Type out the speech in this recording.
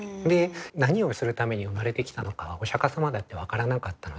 何をするために生まれてきたのかはお釈様だって分からなかったので。